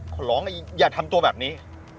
ขอร้องอย่าทำตัวแบบนี้